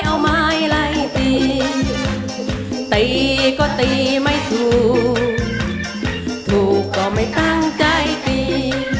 เอาไม้ไล่ตีตีก็ตีไม่ถูกถูกก็ไม่ตั้งใจตี